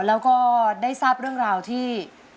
แล้วก็ได้ทราบเรื่องราวที่